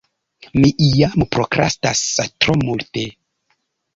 Mi jam prokrastas tro multe